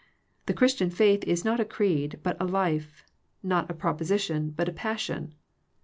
The Christian faith is not a creed, but a life; not a proposition, but a passion.